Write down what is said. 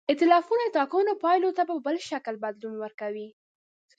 ایتلافونه د ټاکنو پایلو ته په بل شکل بدلون ورکوي.